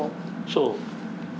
そう。